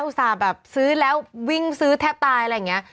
ส่าห์แบบซื้อแล้ววิ่งซื้อแทบตายอะไรอย่างนี้